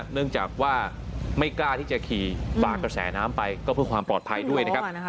เนื่องจากว่าไม่กล้าที่จะขี่ฝากกระแสน้ำไปก็เพื่อความปลอดภัยด้วยนะครับ